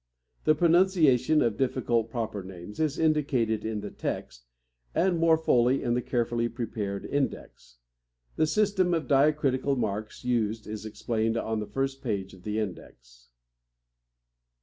The pronunciation of difficult proper names is indicated in the text, and, more fully, in the carefully prepared index. The system of diacritical marks used is explained on the first page of the index.